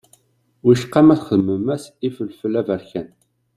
Wicqa ma txedmem-as ifelfel aberkan.